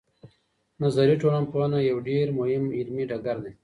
نظري ټولنپوهنه یو ډېر مهم علمي ډګر دی.